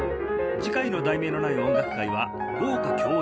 次回の『題名のない音楽会』は「豪華共演！